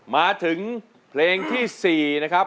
มาถึงเพลงที่๔นะครับ